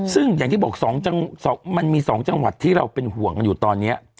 ซึ่งอย่างที่บอกมันมี๒จังหวัดที่เราเป็นห่วงกันอยู่ตอนนี้